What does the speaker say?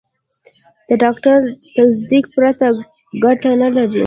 د ډاکټر له تصدیق پرته ګټه نه لري.